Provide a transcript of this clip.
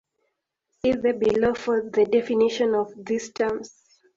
See below for the definitions of these terms.